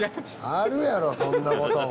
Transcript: あるやろそんなことも。